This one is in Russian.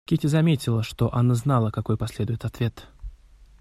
Кити заметила, что Анна знала, какой последует ответ.